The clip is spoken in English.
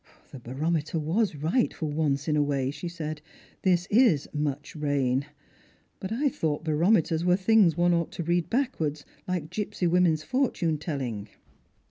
" The barometer was right for once in a way," she said. " This is ' much rain.' But I thought barometers were things one ought to read backwards, Hke gipsy women's fortune telling."